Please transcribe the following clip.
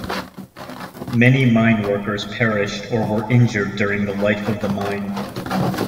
Many mine workers perished or were injured during the life of the mine.